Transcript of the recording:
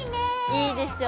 いいでしょ。